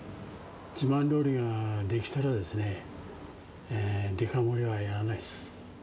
自慢料理ができたらですね、デカ盛りはやらないです。